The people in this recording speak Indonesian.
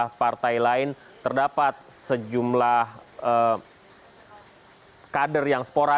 dan dia merasa lebih tergantung pada kebenaran penelitiannya kebenaran bapak sukicaya purnama